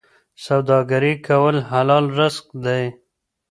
سوداګري کول حلال رزق دی.